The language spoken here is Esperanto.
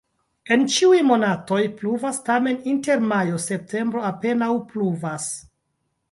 En ĉiuj monatoj pluvas, tamen inter majo-septembro apenaŭ pluvas.